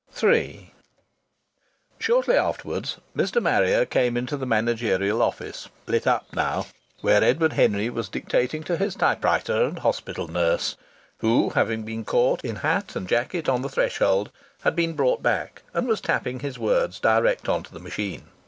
III Shortly afterwards Mr. Marrier came into the managerial office, lit up now, where Edward Henry was dictating to his typewriter and hospital nurse, who, having been caught in hat and jacket on the threshold, had been brought back and was tapping his words direct on to the machine.